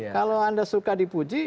kalau anda suka dipuji